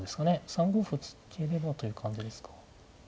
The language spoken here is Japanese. ３五歩突ければという感じですか。